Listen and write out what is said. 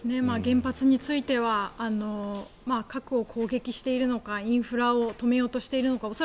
原発については核を攻撃しているのかインフラを止めようとしているのか。